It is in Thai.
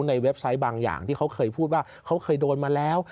เว็บไซต์บางอย่างที่เขาเคยพูดว่าเขาเคยโดนมาแล้ว